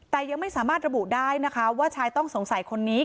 แต่ยังไม่สามารถระบุได้นะคะว่าชายต้องสงสัยคนนี้